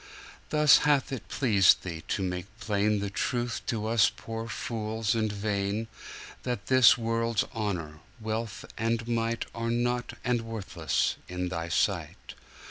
Thus hath it pleased Thee to make plainThe truth to us poor fools and vain, That this world's honour, wealth and mightAre nought and worthless in Thy sight.